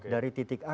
sepuluh dari titik a